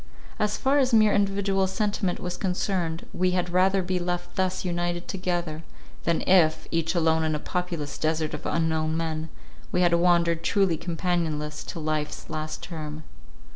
As far as mere individual sentiment was concerned, we had rather be left thus united together, than if, each alone in a populous desert of unknown men, we had wandered truly companionless till life's last term.